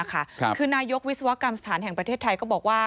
คือนายกวิศวกรรมสถานแห่งประเทศไทยก็บอกว่า